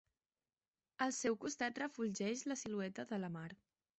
Al seu costat refulgeix la silueta de la Mar.